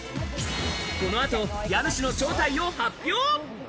この後、家主の正体を発表！